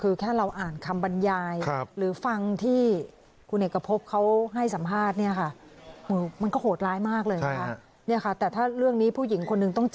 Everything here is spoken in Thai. คือแค่เราอ่านคำบรรยายหรือฟังที่คุณเอกพบเขาให้สัมภาษณ์เนี่ยค่ะ